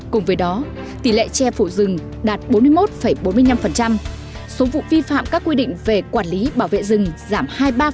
cùng với đó tỷ lệ che phủ rừng đạt bốn mươi một bốn mươi năm số vụ vi phạm các quy định về quản lý bảo vệ rừng giảm hai mươi ba